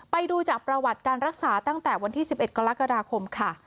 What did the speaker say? ไปดูจากประวัติการรักษาตั้งแต่วันที่๑๑กรกฎาคมค่ะ